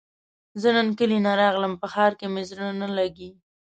زۀ نن کلي نه راغلم په ښار کې مې زړه نه لګي